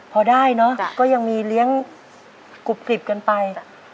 พอได้เนอะก็ยังมีเลี้ยงกรุบกริบกันไป